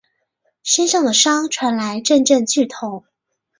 身上的伤传来阵阵剧痛